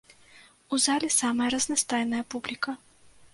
У зале самая разнастайная публіка.